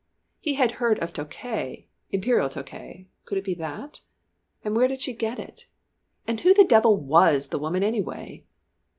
He had heard of Tokay Imperial Tokay could it be that? And where did she get it? And who the devil was the woman, anyway?